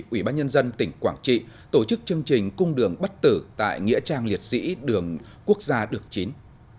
ủy ban nhân dân tỉnh quảng trị tổ chức chương trình cung đường bắt tử tại nghĩa trang liệt sĩ đường quốc gia đường chín